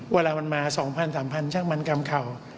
เวลามันมา๒๐๐๓๐๐ช่างมันกำเข่า